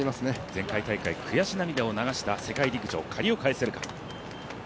前回大会悔し涙を流した、世界陸上借りを返せるか。